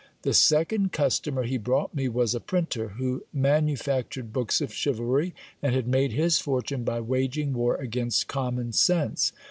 The second customer he brought me was a printer, who manu factured books of chivalry, and had made his fortune by waging war against common sense.